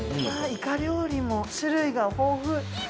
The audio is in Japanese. うわいか料理も種類が豊富。